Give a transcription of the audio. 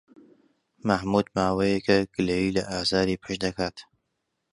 مەحموود ماوەیەکە گلەیی لە ئازاری پشت دەکات.